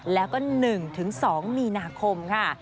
แล้วก็๑๒มีนาคมค่ะ